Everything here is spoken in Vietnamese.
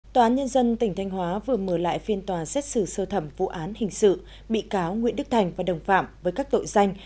tòa án nhân dân tỉnh thanh hóa vừa mở lại phiên tòa xét xử sơ thẩm vụ án hình sự bị cáo nguyễn đức thành và đồng phạm với các tội danh